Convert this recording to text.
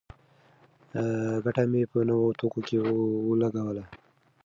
ګټه مې په نوو توکو کې ولګوله.